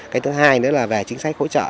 cái thứ hai nữa là về chính sách hỗ trợ